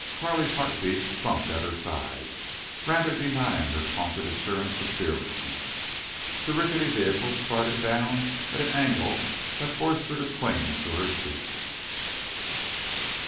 Carley's heartbeats thumped at her side, rather denying her taunted assurance of fearlessness. Then the rickety vehicle started down at an angle that forced her to cling to her seat.